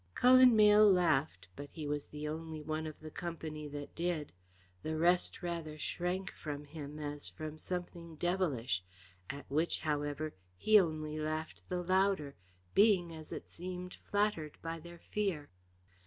Cullen Mayle laughed, but he was the only one of that company that did. The rest rather shrank from him as from something devilish, at which, however, he only laughed the louder, being as it seemed flattered by their fear.